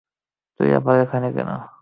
তুই আবার এখানে কেন?